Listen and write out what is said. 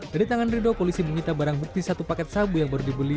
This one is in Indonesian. dari tangan rido polisi menyita barang bukti satu paket sabu yang baru dibeli